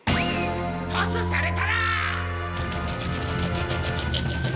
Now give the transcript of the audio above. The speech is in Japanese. トスされたら。